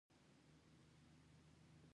کویلیو د انسان د داخلي خلا احساس درک کړ.